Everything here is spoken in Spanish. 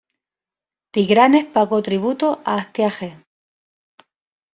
Tigranes pagó tributo a Astiages.